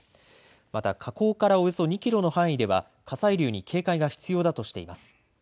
また火口からおよそ２キロの範囲では火砕流に警戒が必要だとしています。